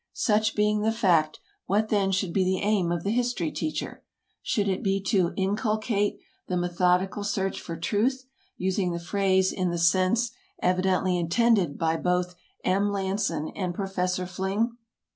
Such being the fact, what then should be the aim of the history teacher? Should it be to inculcate "the methodical search for truth," using the phrase in the sense evidently intended by both M. Lanson and Professor Fling?